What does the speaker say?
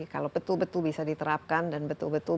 kalau betul betul bisa diterapkan dan betul betul